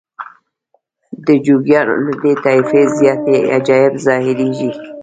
د جوګیانو له دې طایفې زیاتې عجایب ظاهریږي.